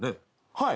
はい。